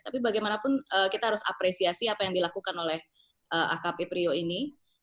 tapi bagaimanapun kita harus apresiasi apa yang dilakukan oleh akp prio ini